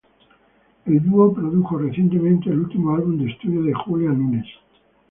El dúo produjo recientemente el último álbum de estudio de Julia Nunes.